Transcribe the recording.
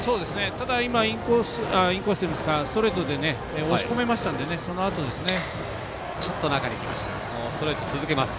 ただ、ストレートで押し込めましたのでそのあとですね。